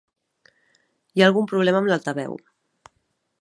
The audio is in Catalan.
Hi ha algun problema amb l'altaveu.